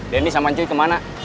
denny sama ancil kemana